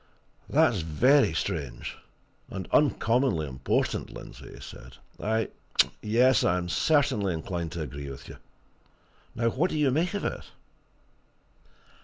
"That's very strange, and uncommonly important, Lindsey!" he said. "I yes, I am certainly inclined to agree with you. Now, what do you make of it?"